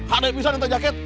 ada yang bisa nanti jaket